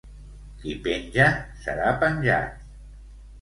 Qui penja serà penjat.